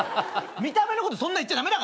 見た目のことそんな言っちゃ駄目だから。